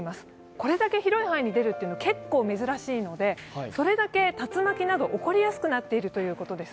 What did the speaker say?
これだけ広い範囲に出るというのは結構珍しいので、それだけ竜巻などが起こりやすくなっているということです。